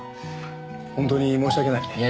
本当に申し訳ない。